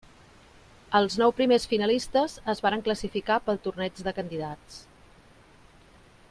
Els nou primers finalistes es varen classificar pel torneig de candidats.